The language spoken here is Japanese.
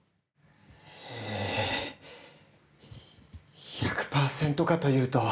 え１００％かというと。